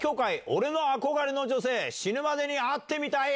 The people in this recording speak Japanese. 俺の憧れの女性死ぬまでに会ってみたい